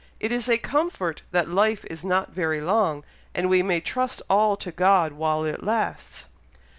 It is a comfort that life is not very long, and we may trust all to God while it lasts."